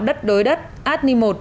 đất đối đất adni một